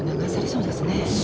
そうですね。